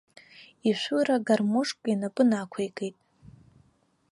Ишәыра-гармошка инапы нақәикит.